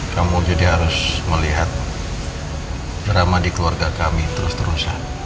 kamu jadi harus melihat drama di keluarga kami terus terusan